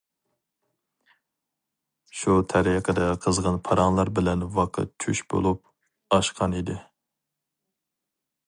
شۇ تەرىقىدە قىزغىن پاراڭلار بىلەن ۋاقىت چۈش بولۇپ ئاشقان ئىدى.